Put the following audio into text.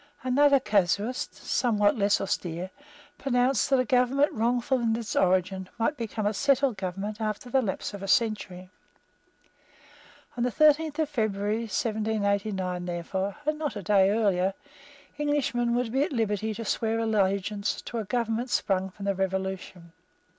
Another casuist, somewhat less austere, pronounced that a government, wrongful in its origin, might become a settled government after the lapse of a century. On the thirteenth of February 1789, therefore, and not a day earlier, Englishmen would be at liberty to swear allegiance to a government sprung from the Revolution.